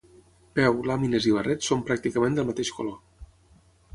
Peu, làmines i barret són pràcticament del mateix color.